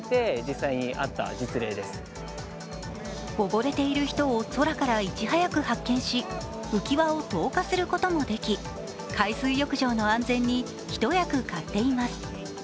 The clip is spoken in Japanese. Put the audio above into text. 溺れている人を空からいち早く発見し浮き輪を投下することもでき海水浴場の安全に一役買っています。